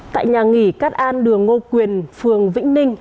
tại nhà nghỉ cát an đường ngô quyền phường vĩnh ninh